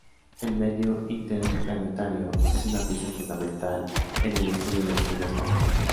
El medio interplanetario es una pieza fundamental en el estudio del clima espacial.